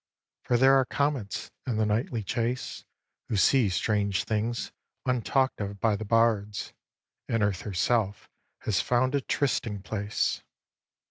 For there are comets in the nightly chase Who see strange things untalk'd of by the bards; And earth herself has found a trysting place.